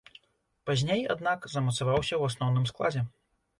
Пазней, аднак, замацаваўся ў асноўным складзе.